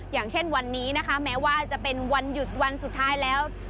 อย่างเช่นวันนี้นะคะแม้ว่าจะเป็นวันหยุดวันสุดท้ายแล้ว